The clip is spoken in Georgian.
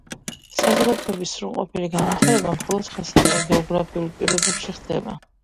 საზოგადოების სრულყოფილი განვითარება მხოლოდ ხელსაყრელ გეოგრაფიულ პირობებში ხდება.